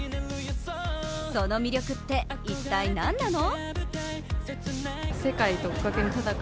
その魅力って一体何なの？